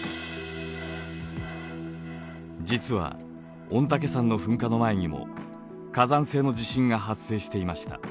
実は御嶽山の噴火の前にも火山性の地震が発生していました。